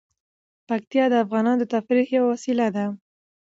پکتیا د افغانانو د تفریح یوه وسیله ده.